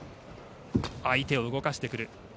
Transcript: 相手を動かしてくる。